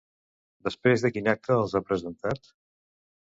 Després de quin acte els ha presentat?